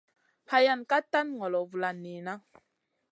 Hayan ka tan ŋolo vulan niyna.